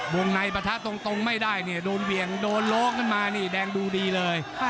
บวงในประทะตรงไม่ได้โดนเหวี่ยงโดนโลกกันมาแดงดูดีเลย